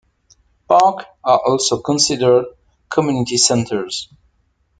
Parks are also considered community centres.